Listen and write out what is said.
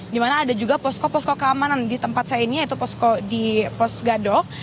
di mana ada juga posko posko keamanan di tempat saya ini yaitu posko di pos gadok